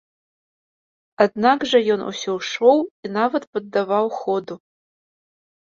Аднак жа ён усё ішоў і нават паддаваў ходу.